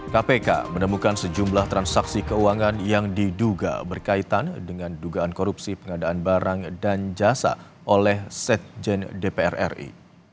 kpk menemukan sejumlah transaksi keuangan yang diduga berkaitan dengan dugaan korupsi pengadaan barang dan jasa oleh sekjen dpr ri